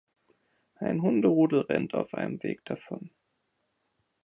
Ein Hunderudel rennt auf einem Weg davon.